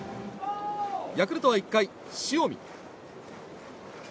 ヤクルトは１回、塩見。